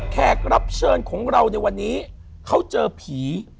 แขกรับเชิญของเราในวันนี้เขาเจอผี